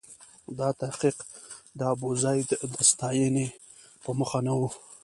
دا تحقیق د ابوزید د ستاینې په موخه نه و.